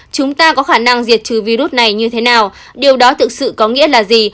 chúng ta có khả năng diệt trừ virus này như thế nào điều đó thực sự có nghĩa là gì